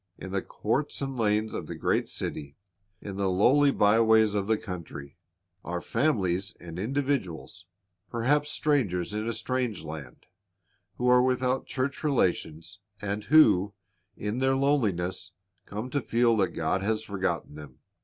In the courts and lanes of the great cities, in the lonely byways of the country, ''Go into tJie Hi ghivaj s" 233 are families and individuals — perhaps strangers in a strange land — who are without church relations, and who, in their loneliness, come to feel that God has forgotten them.